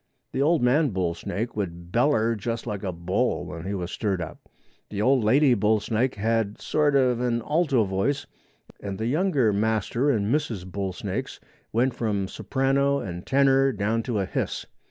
The old man bull snake would beller just like a bull when he was stirred up. The old lady bull snake had sort of an alto voice and the younger master and misses bull snakes went from soprano and tenor down to a hiss.